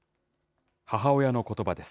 母親のことばです。